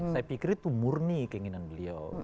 saya pikir itu murni keinginan beliau